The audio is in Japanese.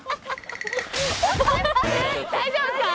大丈夫ですか？